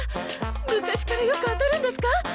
昔からよく当たるんですか？